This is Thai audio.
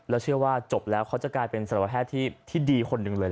แล้วเชื่อว่าจบแล้วเขาจะกลายเป็นสัตวแพทย์ที่ดีคนหนึ่งเลย